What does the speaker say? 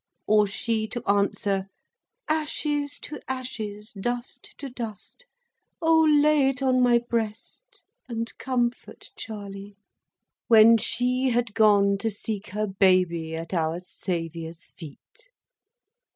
or she to answer, "Ashes to ashes, dust to dust! O lay it on my breast and comfort Charley!" when she had gone to seek her baby at Our Saviour's feet.